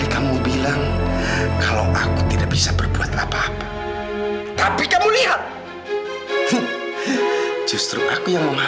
kamu tahu kita harus cari ibu kamu dimana